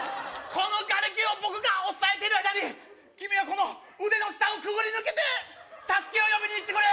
このがれきを僕がおさえてる間に君はこの腕の下をくぐり抜けて助けを呼びにいってくれ